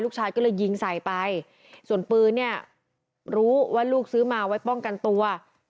ลูกชายก็เลยยิงใส่ไปส่วนปืนเนี่ยรู้ว่าลูกซื้อมาไว้ป้องกันตัว